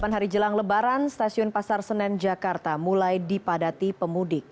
delapan hari jelang lebaran stasiun pasar senen jakarta mulai dipadati pemudik